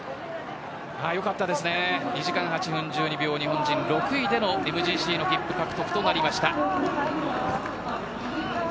２時間８分１２秒で日本人６位でＭＧＣ切符獲得となりました。